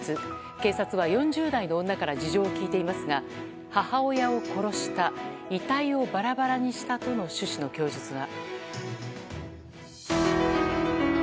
警察は４０代の女から事情を聴いていますが母親を殺した遺体をバラバラにしたとの趣旨の供述が。